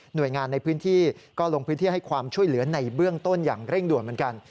โดยงานในพื้นที่ก็ลงพื้นที่ให้ความช่วยเหลือในเบื้องต้นอย่างเร่งด่วนเหมือนกัน